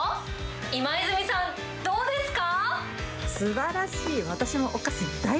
今泉さん、どうですか？